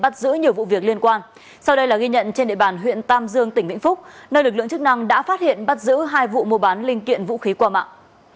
trên địa bàn huyện tam dương tỉnh vĩnh phúc nơi lực lượng chức năng đã phát hiện bắt giữ hai vụ mua bán linh kiện vũ khí qua mạng